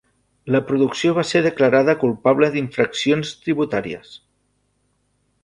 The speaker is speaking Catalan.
La producció va ser declarada culpable d'infraccions tributàries.